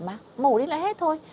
màu đến lại hết thôi